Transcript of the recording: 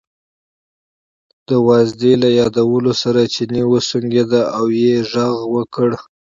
د وازدې له یادولو سره چیني وسونګېده او یې غږ وکړ.